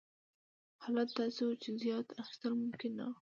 حالت داسې و چې زیات اخیستل ممکن نه وو.